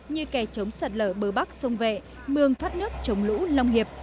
như kè chống sạt lở bờ bắc sông vệ mường thoát nước chống lũ long hiệp